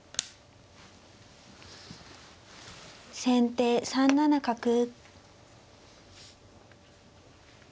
先手３七角。